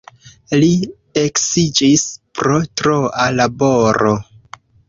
Li eksiĝis pro troa laboro.